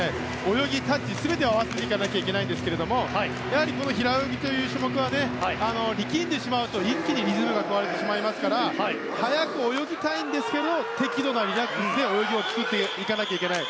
泳ぎ、タッチ全て合わせていかないといけないんですけどやはり平泳ぎという種目は力んでしまうと一気にリズムが壊れてしまいますから速く泳ぎたいんですけど適度なリラックスで泳がないといけない。